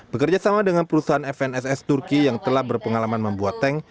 bekerja sama dengan perusahaan fnss turki yang telah berpengalaman membuat tank